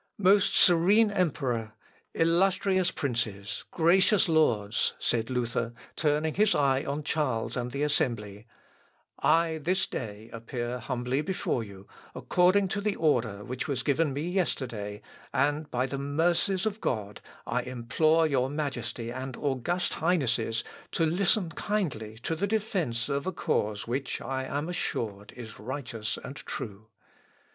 "Most serene Emperor! illustrious princes, gracious lords," said Luther, turning his eyes on Charles and the assembly, "I this day appear humbly before you, according to the order which was given me yesterday, and by the mercies of God I implore your Majesty and august Highnesses to listen kindly to the defence of a cause which I am assured is righteous and true.